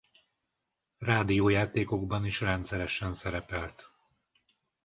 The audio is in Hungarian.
Rádiójátékokban is rendszeresen szerepelt.